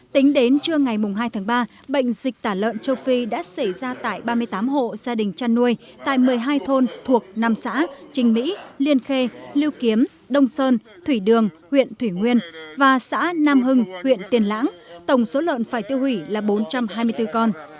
tính đến trưa ngày hai tháng ba bệnh dịch tả lợn châu phi đã xảy ra tại ba mươi tám hộ gia đình chăn nuôi tại một mươi hai thôn thuộc năm xã trình mỹ liên khê lưu kiếm đông sơn thủy đường huyện thủy nguyên và xã nam hưng huyện tiền lãng tổng số lợn phải tiêu hủy là bốn trăm hai mươi bốn con